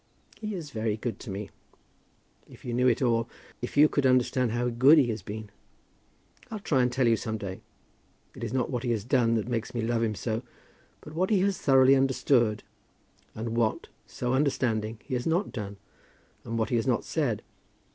"He is very good to me. If you knew it all, if you could understand how good he has been! I'll try and tell you some day. It is not what he has done that makes me love him so, but what he has thoroughly understood, and what, so understanding, he has not done, and what he has not said.